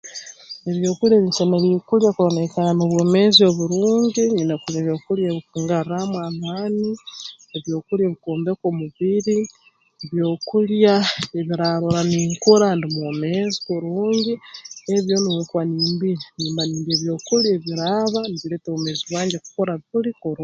Ebyokulya ebi nsemeriire kulya kurora naikara n'obwomeezi oburungi nyine kulya ebyokulya ebikungarraamu amaani ebyokulya ebikwombeka omubiri ebyokulya ebiraarora ninkura ndi bwomeezi kurungi ebi byona obu nkuba nimbirya nimba nindya ebyokulya ebiraaba nibireeta obwomeezi bwange kukura kuli kuru